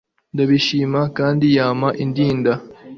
ndabishima kandi yama indinda